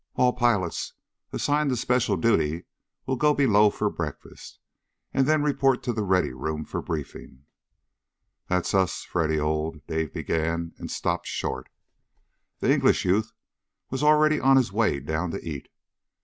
"All pilots assigned to special duty will go below for breakfast, and then report to the Ready Room for briefing!" "That's us, Freddy, old " Dave began, and stopped short. The English youth was already on his way down to eat.